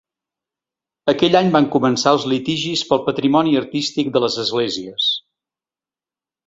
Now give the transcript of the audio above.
Aquell any van començar els litigis pel patrimoni artístic de les esglésies.